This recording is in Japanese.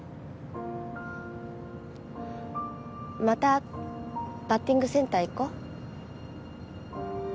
またバッティングセンター行こ？